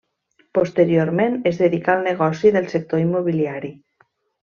Posteriorment es dedicà al negoci del sector immobiliari.